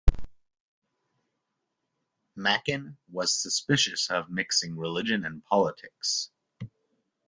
Machen was suspicious of mixing religion and politics.